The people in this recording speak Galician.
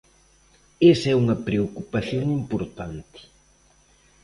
Esa é unha preocupación importante.